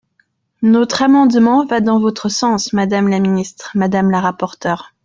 Notre amendement va dans votre sens, madame la ministre, madame la rapporteure.